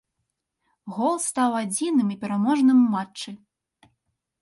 Гол стаў адзіным і пераможным у матчы.